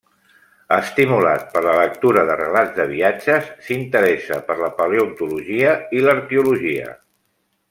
Estimulat per la lectura de relats de viatges, s'interessa per la paleontologia i l'arqueologia.